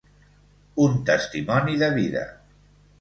Un testimoni de vida.